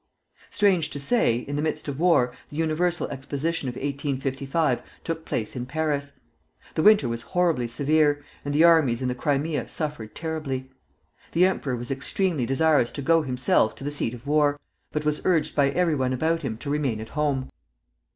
Strange to say, in the midst of war the Universal Exposition of 1855 took place in Paris. The winter was horribly severe, and the armies in the Crimea suffered terribly. The emperor was extremely desirous to go himself to the seat of war, but was urged by every one about him to remain at home.